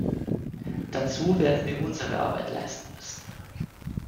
Dazu werden wir unsere Arbeit leisten müssen.